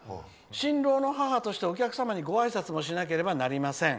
「新郎の母としてお客さんにごあいさつしなければなりません。